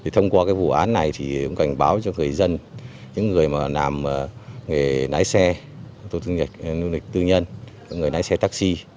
thông qua vụ án này chúng tôi cảnh báo cho người dân những người làm nghề lái xe tư nhân người lái xe taxi